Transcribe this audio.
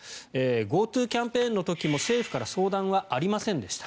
ＧｏＴｏキャンペーンの時も政府から相談はありませんでした。